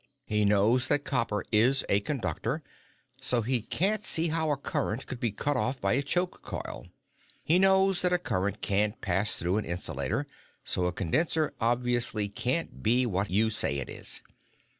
He knows that copper is a conductor, so he can't see how a current could be cut off by a choke coil. He knows that a current can't pass through an insulator, so a condenser obviously can't be what you say it is.